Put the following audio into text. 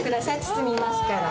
包みますから。